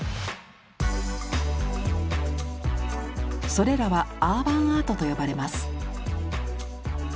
それらは「アーバン・アート」と呼ばれます。